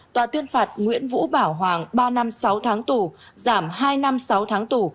tòa tuyên phạt nguyễn vũ bảo hoàng ba năm sáu tháng tù giảm hai năm sáu tháng tù